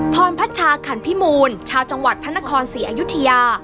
พรพัชชาขันพิมูลชาวจังหวัดพระนครศรีอยุธยา